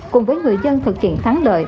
cùng với người dân thực hiện thắng lợi